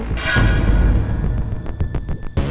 berarti papa udah tau